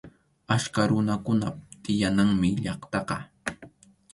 Achka runakunap tiyananmi llaqtaqa.